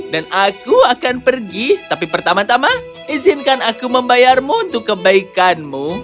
dan aku akan pergi tapi pertama tama izinkan aku membayarmu untuk kebaikanmu